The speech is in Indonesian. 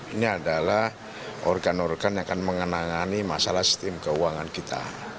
ini adalah organ organ yang akan mengenangani masalah sistem keuangan kita